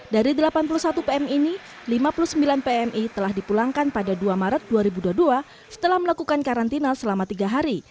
dari delapan puluh satu pm ini lima puluh sembilan pmi telah dipulangkan pada dua maret dua ribu dua puluh dua setelah melakukan karantina selama tiga hari